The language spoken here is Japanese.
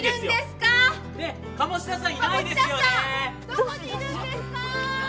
どこにいるんですか？